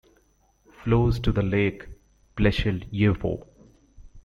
Flows to the Lake Plescheyevo.